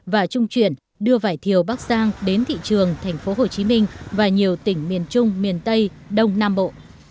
và trung chuyển đưa vải thiều bắc giang đến thị trường tp hcm và nhiều tỉnh miền trung miền tây đông nam bộ